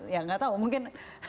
ya nggak tahu mungkin